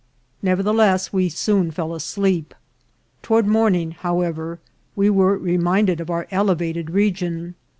Nevertheless, we soon fell asleep. Toward morning, however, we were reminded of our elevated region.